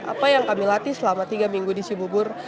apa yang kami latih selama tiga minggu di cibubur